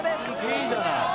いいじゃない。